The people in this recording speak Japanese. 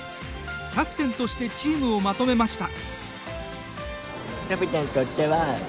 キャプテンとしてチームをまとめました。